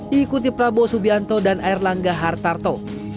diikuti prabowo subianto dan erlangga hartarto